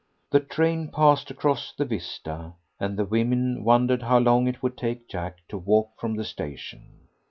The train passed across the vista, and the women wondered how long it would take Jack to walk from the station.